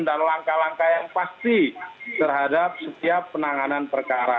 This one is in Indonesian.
dan langkah langkah yang pasti terhadap setiap penanganan perkara